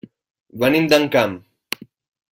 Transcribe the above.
Venim d'Encamp.